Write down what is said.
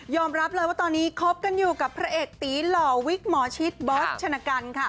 รับเลยว่าตอนนี้คบกันอยู่กับพระเอกตีหล่อวิกหมอชิดบอสชนะกันค่ะ